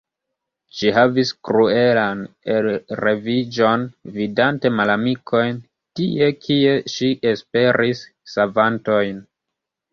Ŝi havis kruelan elreviĝon vidante malamikojn, tie, kie ŝi esperis savantojn.